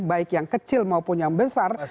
baik yang kecil maupun yang besar